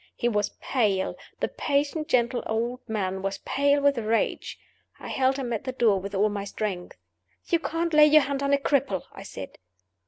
He was pale the patient, gentle old man was pale with rage! I held him at the door with all my strength. "You can't lay your hand on a cripple," I said.